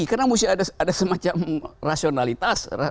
karena mesti ada semacam rasionalitas